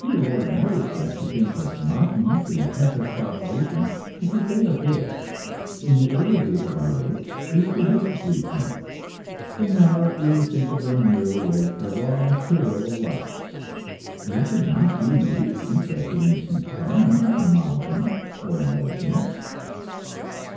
We award more respect to things like mountains and tempest tossed oceans, because they are big; in the early days of our race we used to worship these things, but now we think of them merely as the raw material of life, and we should not be in the least interested in becoming a mountain or an ocean.